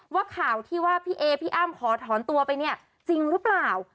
ว่าข่าวที่ว่าพี่เอพี่อ้ำขอถอนตัวไปเนี่ยจริงหรือเปล่า